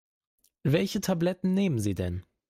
Welche Tabletten nehmen Sie denn?